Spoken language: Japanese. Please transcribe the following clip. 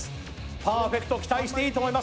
パーフェクト期待していいと思います。